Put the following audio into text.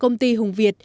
công ty hùng việt